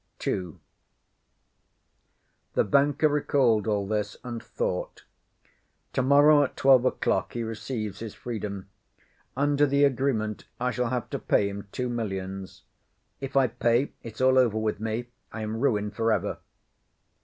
II The banker recalled all this, and thought: "To morrow at twelve o'clock he receives his freedom. Under the agreement, I shall have to pay him two millions. If I pay, it's all over with me. I am ruined for ever